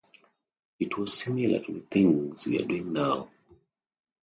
It was similar to the things we are doing now.